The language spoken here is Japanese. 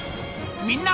みんな！